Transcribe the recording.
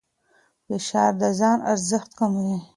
فشار د ځان ارزښت کموي.